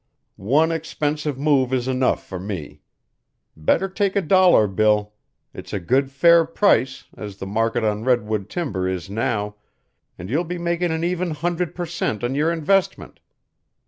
One expensive move is enough for me. Better take a dollar, Bill. It's a good, fair price, as the market on redwood timber is now, and you'll be making an even hundred per cent, on your investment.